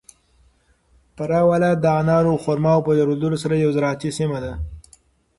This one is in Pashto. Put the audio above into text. فراه ولایت د انارو او خرماوو په درلودلو سره یو زراعتي سیمه ده.